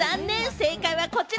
正解はこちら。